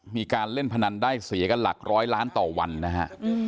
มีการเล่นพนันได้เสียกันหลักร้อยล้านต่อวันนะฮะ